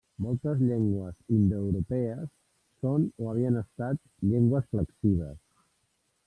Moltes llengües indoeuropees són o havien estat llengües flexives.